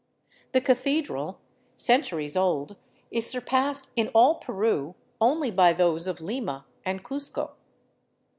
The cathedral, centuries old, is surpassed in all Peru only by those of Lima and Cuzco.